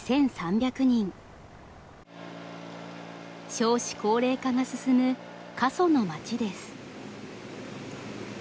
少子高齢化が進む過疎の町です。